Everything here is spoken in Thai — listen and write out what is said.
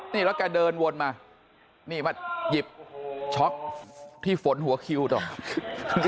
นี่ราคาเดินวนมานี่มาหยิบช็อคที่ฝนหัวคิวส์